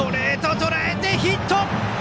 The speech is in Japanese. とらえてヒット！